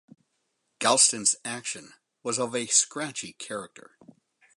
Galston's action was of a scratchy character.